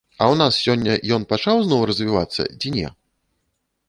А ў нас сёння ён пачаў зноў развівацца ці не?